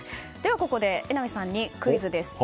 ここで榎並さんにクイズです。